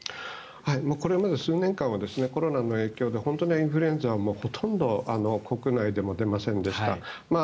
これまで数年間はコロナの影響で本当にインフルエンザはほとんど国内でも出ませんでした。